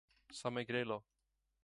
Samegrelo.